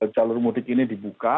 jalur mudik ini dibuka